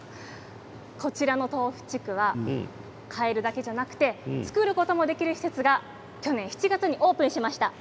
こちらのとうふちくわ買えるだけじゃなく作ることもできる施設が去年７月にオープンしました。